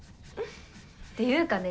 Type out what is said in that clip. っていうかね